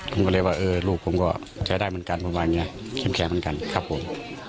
ผมก็เลยว่าเออลูกผมก็เจอได้เหมือนกันผมว่าอย่างเงี้ยเค็มแคร์เหมือนกันครับผม